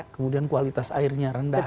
kemudian kualitas airnya rendah